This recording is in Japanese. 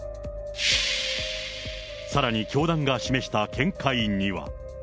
さらに教団が示した見解には。